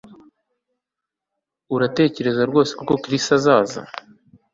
Uratekereza rwose ko Chris atazaza